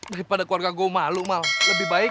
daripada keluarga gue malu malah lebih baik